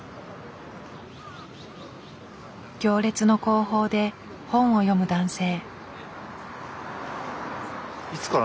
行列の後方で本を読む男性。